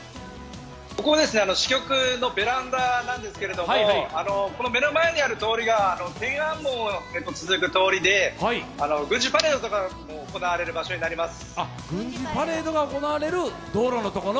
ここは支局のベランダなんですけれども、目の前にある通りが天安門に続く通りで軍事パレードが行われる場所になります。